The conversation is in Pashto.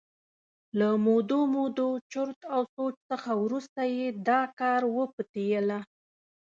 له مودو مودو چرت او سوچ څخه وروسته یې دا کار وپتېله.